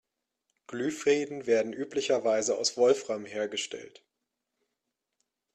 Glühfäden werden üblicherweise aus Wolfram hergestellt.